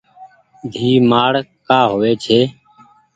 ديئي مآڙ ڪآ هووي ڇي۔